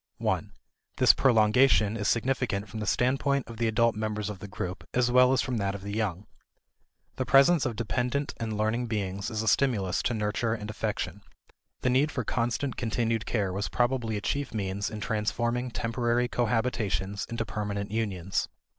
1 This prolongation is significant from the standpoint of the adult members of the group as well as from that of the young. The presence of dependent and learning beings is a stimulus to nurture and affection. The need for constant continued care was probably a chief means in transforming temporary cohabitations into permanent unions.